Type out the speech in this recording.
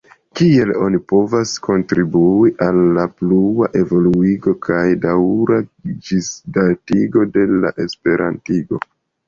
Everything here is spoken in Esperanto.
Kiel oni povas kontribui al la plua evoluigo kaj daŭra ĝisdatigo de la esperantigo?